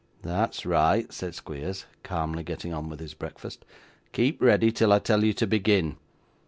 'That's right,' said Squeers, calmly getting on with his breakfast; 'keep ready till I tell you to begin.